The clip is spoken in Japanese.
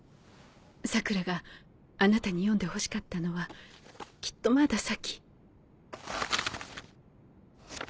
桜良があなたに読んでほしかったのはきっとまだ先。